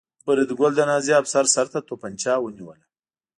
فریدګل د نازي افسر سر ته توپانچه ونیوله